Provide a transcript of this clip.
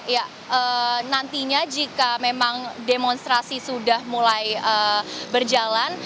ya nantinya jika memang demonstrasi sudah mulai berjalan